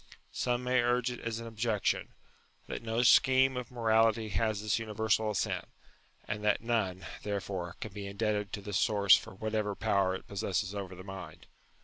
Some may urge it as an objection, that no scheme of morality has this universal assent, and that none, therefore, can be indebted to this source for whatever power it possesses over the mind.